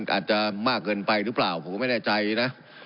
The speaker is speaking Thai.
อาจจะมากเกินไปหรือเปล่าผมก็ไม่แน่ใจนะ